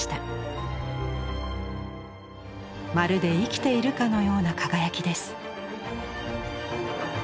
まるで生きているかのような輝きです。